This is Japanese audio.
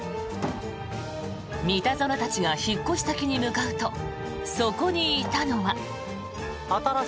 三田園たちが引っ越し先に向かうとそこにいたのは。